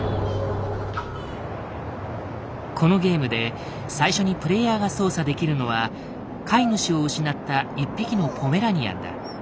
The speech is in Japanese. このゲームで最初にプレイヤーが操作できるのは飼い主を失った１匹のポメラニアンだ。